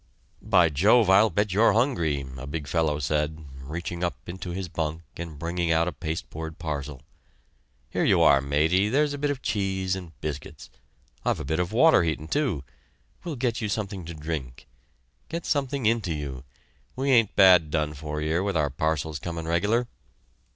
"By Jove, I'll bet you're hungry," a big fellow said, reaching up into his bunk and bringing out a pasteboard parcel. "Here you are, matey; there's a bit of cheese and biscuits. I've a bit of water heatin', too; we'll get you something to drink. Get something into you; we ain't bad done for 'ere with our parcels comin' reglar."